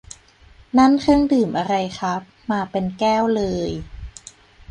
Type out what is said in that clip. นั่นเครื่องดื่มอะไรครับ มาเป็นแก้วเลย